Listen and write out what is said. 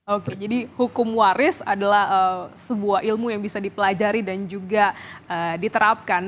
oke jadi hukum waris adalah sebuah ilmu yang bisa dipelajari dan juga diterapkan